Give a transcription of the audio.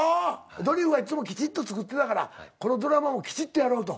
ドリフはいつもきちっと作ってたからこのドラマもきちっとやろうと。